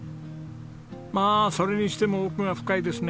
まあそれにしても奥が深いですね